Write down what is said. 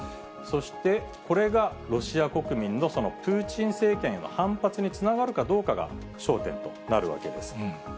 そして、これがロシア国民のそのプーチン政権への反発につながるかどうかが焦点となるわけです。